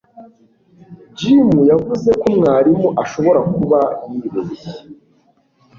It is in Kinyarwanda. Jim yavuze ko mwarimu ashobora kuba yibeshye